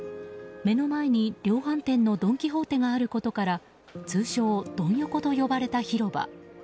目の前に、量販店のドン・キホーテがあることから通称ドン横と呼ばれた広場。